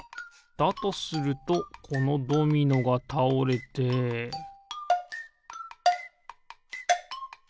だとするとこのドミノがたおれてピッ！